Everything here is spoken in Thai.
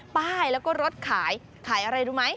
ป้ายแล้วก็รถขายขายอะไรรู้ไหม